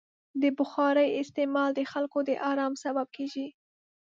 د بخارۍ استعمال د خلکو د ارام سبب کېږي.